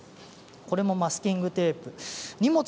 これもマスキングテープです。